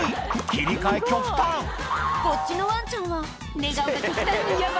切り替え極端こっちのワンちゃんは寝顔が極端にヤバ